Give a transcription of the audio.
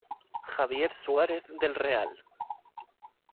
Javier Suárez del Real.